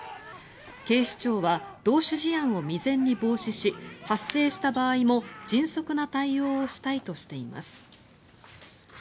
警視庁は同種事案を未然に防止し発生した場合も迅速な対応をしたいとしています。